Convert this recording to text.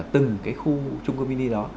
từng cái khu trung cơ mini đó